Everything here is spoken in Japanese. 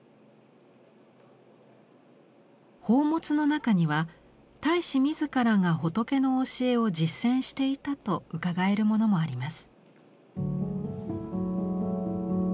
宝物の中には太子自らが仏の教えを実践していたとうかがえるものもあります。